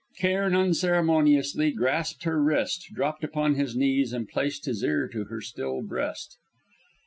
Cairn unceremoniously grasped her wrist, dropped upon his knees and placed his ear to the still breast.